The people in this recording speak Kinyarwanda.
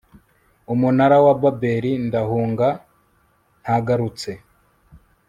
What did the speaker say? umunara wa babeli , ndahunga ntagarutse